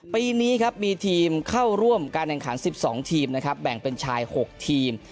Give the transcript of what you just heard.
ปีนี้ครับมีทีมเข้าร่วมการแข่งขัน๑๒ทีมนะครับแบ่งเป็นชาย๖ทีม